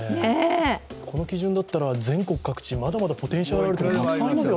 この基準だったら、全国各地、まだまだポテンシャルのある所ずいぶんありますよ。